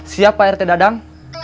siap pak rt dadang